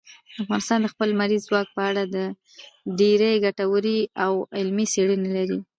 افغانستان د خپل لمریز ځواک په اړه ډېرې ګټورې او علمي څېړنې لري.